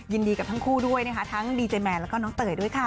ยินดีกับทั้งคู่ด้วยนะคะทั้งดีเจแมนแล้วก็น้องเตยด้วยค่ะ